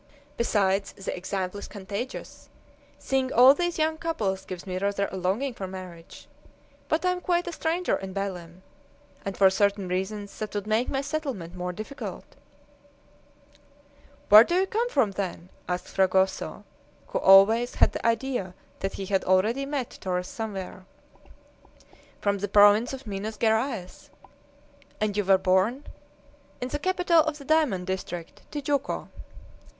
Besides the example is contagious. Seeing all these young couples gives me rather a longing for marriage. But I am quite a stranger in Belem, and, for certain reasons, that would make my settlement more difficult." "Where do you come from, then?" asked Fragoso, who always had the idea that he had already met Torres somewhere. "From the province of Minas Geraes." "And you were born " "In the capital of the diamond district, Tijuco."